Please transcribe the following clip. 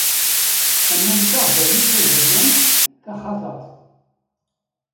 Aman d taɣbalut tagamant taxatart.